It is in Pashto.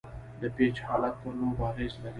د پيچ حالت پر لوبه اغېز لري.